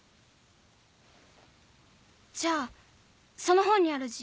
じゃあその本にある字